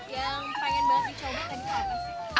yang pengen banget dicoba tadi apa